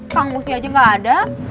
kang gusti aja gak ada